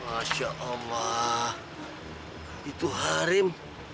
masya allah itu harim